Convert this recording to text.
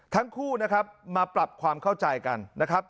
ทั้งคู่นะครับมาปรับความเข้าใจกันนะครับ